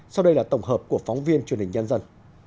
sau đây là tổng hợp của phóng viên truyền hình nhân dân